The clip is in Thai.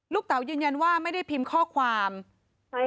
ลูกเต๋ายืนยันว่าไม่ได้พิมพ์ข้อความใช่ค่ะ